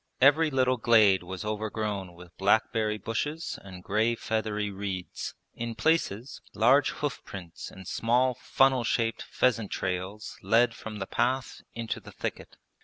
Every little glade was overgrown with blackberry bushes and grey feathery reeds. In places, large hoof prints and small funnel shaped pheasant trails led from the path into the thicket.